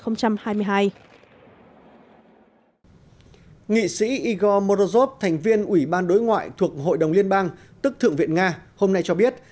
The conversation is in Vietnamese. nghị sĩ igor morozov thành viên ủy ban đối ngoại thuộc hội đồng liên bang tức thượng viện nga hôm nay cho biết